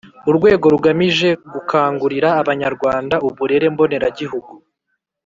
urwego rugamije gukangurira abanyarwanda uburere mboneragihugu